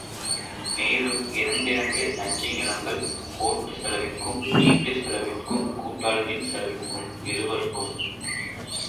மேலும் இரண்டிரண்டு நஞ்சை நிலங்கள், கோர்ட்டு செலவிற்கும், வீட்டு செலவிற்கும், கூட்டாளிகளின் செலவிற்கும், இருவர்க்கும் செலவாயின.